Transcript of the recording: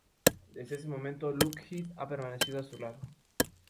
Desde ese momento Lockheed ha permanecido a su lado.